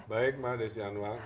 baik mbak desi anwar